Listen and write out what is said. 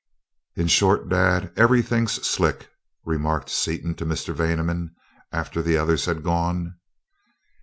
"In short, Dad, everything's slick," remarked Seaton to Mr. Vaneman, after the others had gone.